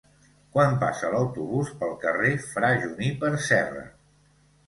Quan passa l'autobús pel carrer Fra Juníper Serra?